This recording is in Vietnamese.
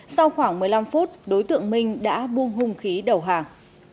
sau khoảng một mươi năm phút đối tượng minh đã buông hung khí đầu hàng